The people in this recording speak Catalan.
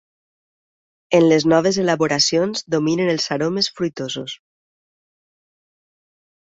En les noves elaboracions dominen els aromes fruitosos.